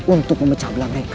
untuk memecah belah mereka